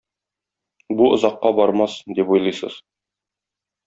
Бу озакка бармас, дип уйлыйсыз.